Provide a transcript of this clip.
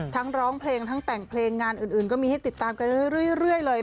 ร้องเพลงทั้งแต่งเพลงงานอื่นก็มีให้ติดตามกันเรื่อยเลย